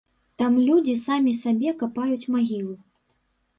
Там людзі самі сабе капаюць магілу.